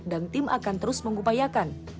dan tim akan terus mengupayakan